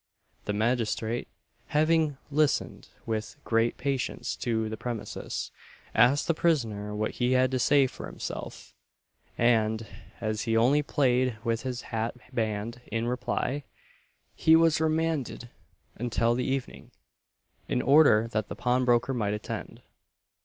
The magistrate, having listened with great patience to the premises, asked the prisoner what he had to say for himself; and, as he only played with his hat band in reply, he was remanded until the evening, in order that the pawnbroker might attend.